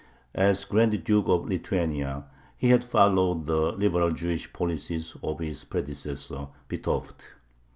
As Grand Duke of Lithuania he had followed the liberal Jewish policies of his predecessor Vitovt.